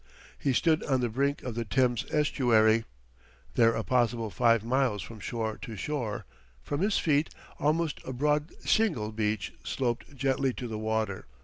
He stood on the brink of the Thames estuary, there a possible five miles from shore to shore; from his feet, almost, a broad shingle beach sloped gently to the water.